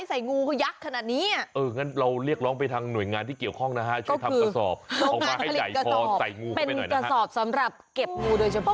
พอใส่งูเข้าไปหน่อยนะคะโอเคเป็นกระสอบสำหรับเก็บงูโดยเฉพาะ